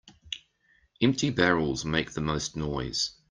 Empty barrels make the most noise.